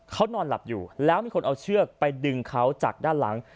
เขานอนหลับอยู่แล้วมีคนเอาเชือกไปดึงเขาจากด้านหลัง